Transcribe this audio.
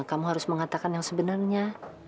kamu harus mengatakan yang sebenarnya